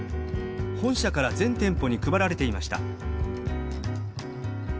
本社から全店舗に配られていました。